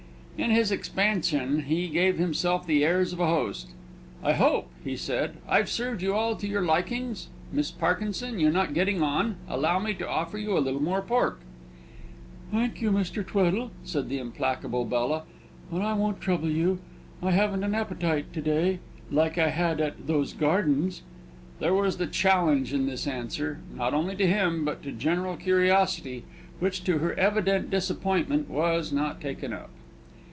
In his expansion, he gave himself the airs of a host. "I hope," he said, "I've served you all to your likings? Miss Parkinson, you're not getting on; allow me to offer you a little more pork." "Thank you, Mr. Tweddle," said the implacable Bella, "but I won't trouble you. I haven't an appetite to day like I had at those gardens." There was a challenge in this answer not only to him, but to general curiosity which, to her evident disappointment, was not taken up.